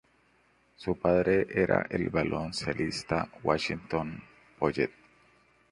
Su padre era el baloncestista Washington Poyet.